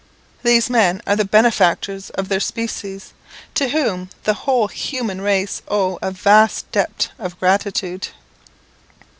These men are the benefactors of their species, to whom the whole human race owe a vast debt of gratitude.